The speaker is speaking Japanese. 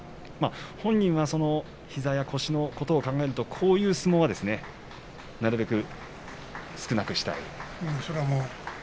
本人は膝や腰のことを考えるとこういう相撲はなるべく少なくしたいと。